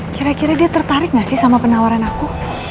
kira kira dia tertarik gak sih sama penawaran aku